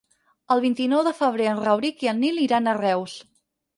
El vint-i-nou de febrer en Rauric i en Nil iran a Reus.